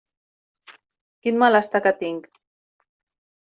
Quin malestar que tinc!